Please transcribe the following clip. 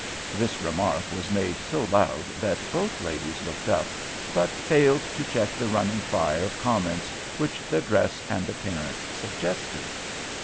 This remark was made so loud that both ladies looked up, but failed to check the running fire of comments which their dress and appearance suggested.